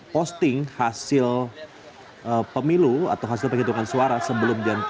posting hasil pemilu atau hasil penyitukan suara sebelum jam tiga